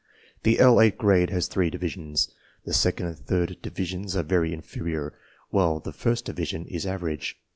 The L 8 grade has three divisions. The second and third divisions are very inferior, while the first division is average.